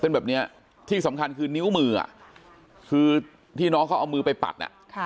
เป็นแบบเนี้ยที่สำคัญคือนิ้วมือคือที่น้องเขาเอามือไปปัดอ่ะค่ะ